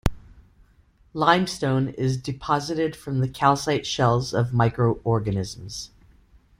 Limestone is deposited from the calcite shells of microorganisms.